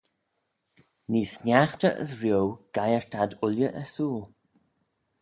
Nee sniaghtey as rio geiyrt ad ooilley ersooyl.